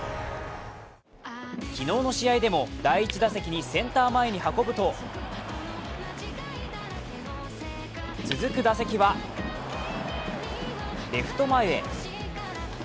昨日の試合でも第１打席、センター前に運ぶと、続く打席はレフト前へ。